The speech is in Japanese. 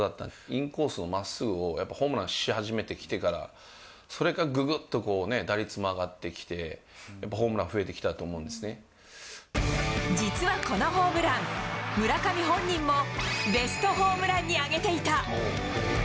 インコースのまっすぐをやっぱホームランにし始めてきてから、それからぐぐっとこうね、打率も上がってきて、やっぱホームラン実はこのホームラン、村上本人もベストホームランに挙げていた。